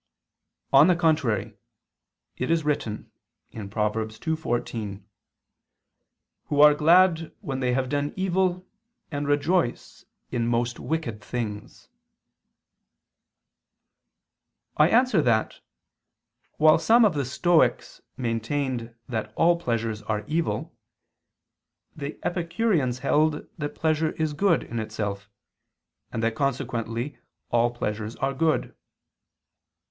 On the contrary, It is written (Prov. 2:14): "Who are glad when they have done evil, and rejoice in most wicked things." I answer that, While some of the Stoics maintained that all pleasures are evil, the Epicureans held that pleasure is good in itself, and that consequently all pleasures are good.